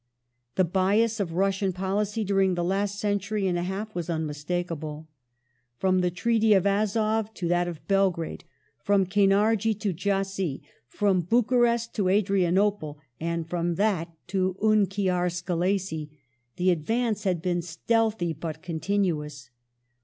The bias of Russian policy during the last century and a half was unmistakable. From the Treaty of Azov to that of Belgi ade ; from Kainardji to Jassy ; from Bucharest to Adrianople, and from that to Unkiar Skelessi, the advance had been stealthy but continuous.